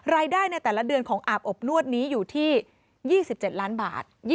ในแต่ละเดือนของอาบอบนวดนี้อยู่ที่๒๗ล้านบาท